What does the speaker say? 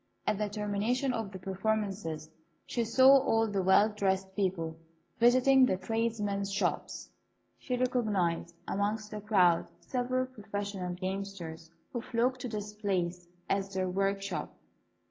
At the termination of the performances, she saw all the well dressed people visiting the tradesmen's shops. She recognised amongst the crowd several professional gamesters, who flocked to this place as their workshop.